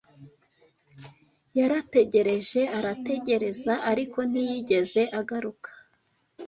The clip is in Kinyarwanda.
Yarategereje arategereza, ariko ntiyigeze agaruka.